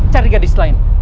cari gadis lain